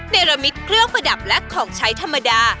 ในระมิตเครื่องประดับและของใช้ธรรมดา